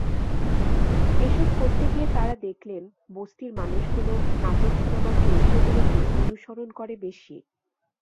এসব করতে গিয়ে তাঁরা দেখলেন, বস্তির মানুষগুলো নাটক-সিনেমার চরিত্রগুলোকে অনুসরণ করে বেশি।